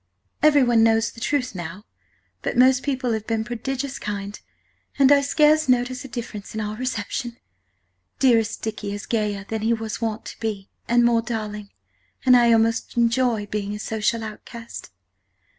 "Everyone knows the Truth now, but most People have been prodigious kind and I scarce notice a difference in our Reception. Dearest Dicky is gayer than he was wont to be and more darling, and I almost enjoy being a Social Outcast.